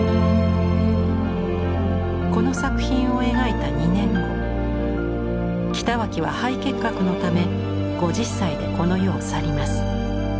この作品を描いた２年後北脇は肺結核のため５０歳でこの世を去ります。